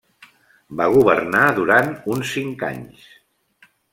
Va governar durant uns cinc anys.